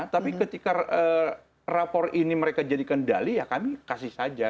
tapi ketika rapor ini mereka jadi kendali ya kami kasih saja